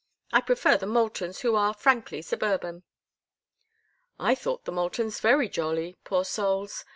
I prefer the Moultons, who are frankly suburban." "I thought the Moultons very jolly—poor souls.